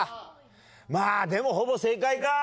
まあでもほぼ正解か。